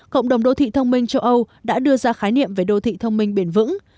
cộng đồng đô thị thông minh châu âu đã đưa ra khái niệm về đô thị thông minh bền vững